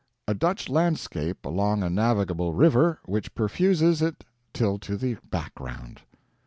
"A Dutch landscape along a navigable river which perfuses it till to the background."